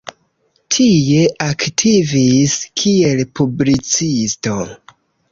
Tie aktivis kiel publicisto.